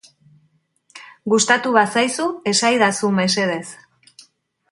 Gustatu bazaizu, esaidazu mesedez.